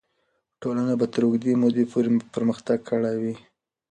ټولنه به تر اوږدې مودې پورې پرمختګ کړی وي.